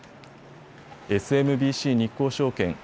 ＳＭＢＣ日興証券